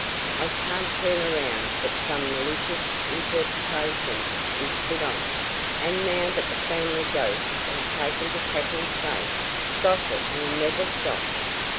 I can't turn around but some malicious interpretation is put on it, and now that the family ghost has taken to cracking safes gossip will never stop.